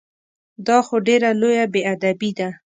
دا خو ډېره لویه بې ادبي ده!